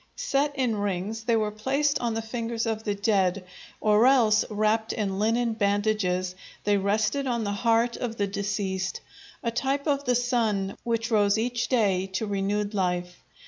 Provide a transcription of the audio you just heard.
Set in rings they were placed on the fingers of the dead, or else, wrapped in linen bandages, they rested on the heart of the deceased, a type of the sun which rose each day to renewed life.